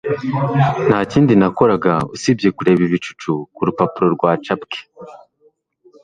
nta kindi nakoraga usibye kureba ibicucu kurupapuro rwacapwe